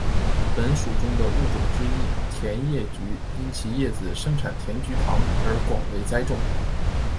本属中的物种之一甜叶菊因其叶子生产甜菊糖而广为栽种。